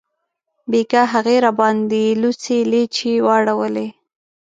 بیګاه هغې راباندې لوڅې لیچې واړولې